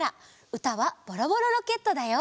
うたは「ボロボロロケット」だよ。